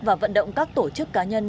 và vận động các tổ chức cá nhân